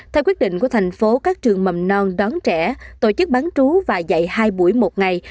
theo quyết định của thành phố các trường mầm non đón trẻ tổ chức bán trú và dạy hai buổi một ngày